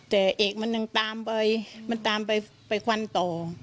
แต่เอกมันยังตามไปมันตามไปไปควันต่อ